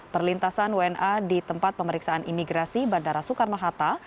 perlintasan wna di tempat pemeriksaan imigrasi bandara soekarno hatta